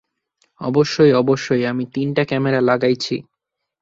অবশ্যই, অবশ্যই, আমি তিনটা ক্যামেরা লাগাইছি।